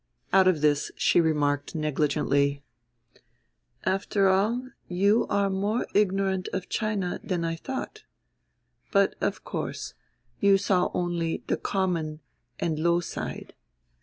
Out of this she remarked negligently: "After all, you are more ignorant of China than I thought. But, of course, you saw only the common and low side.